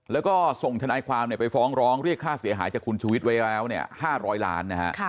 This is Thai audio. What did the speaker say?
แล้วก็ส่งทนายความไปฟ้องร้องเรียกค่าเสียหายจากคุณชูวิทย์ไว้แล้ว๕๐๐ล้านนะฮะ